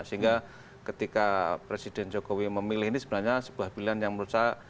sehingga ketika presiden jokowi memilih ini sebenarnya sebuah pilihan yang menurut saya